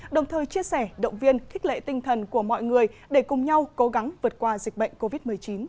đồng thời chia sẻ động viên khích lệ tinh thần của mọi người để cùng nhau cố gắng vượt qua dịch bệnh covid một mươi chín